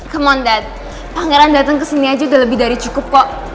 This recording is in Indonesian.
come on dad pangeran datang kesini aja udah lebih dari cukup kok